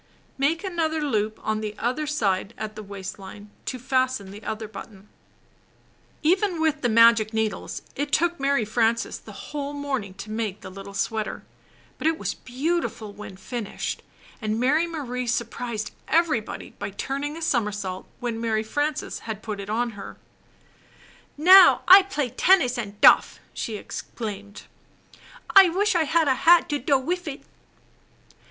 Make another loop on other side at waist line to fasten the other button. Even with the magic needles it took Mary Frances the whole morning to make the Httle sweater; but it was beautiful when finished, and Mary Marie sur prised everybody by turning a somersault when ^^ry'^yjU^^ ^^ Frances had put it on her. A/r^ocs. n ^ ''Now, I p'ay tennis and doff!" she exclaimed. ^'^^^^^^^ "Wish I had hat to doe wif it!"